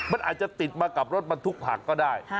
มันอาจจะติดมากับรถบรรทุกผักก็ได้